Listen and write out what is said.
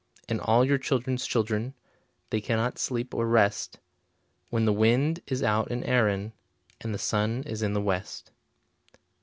And all your children's children, They cannot sleep or rest, When the wind is out in Erinn And the sun is in the west.